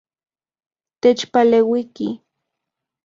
Techpaleuiki.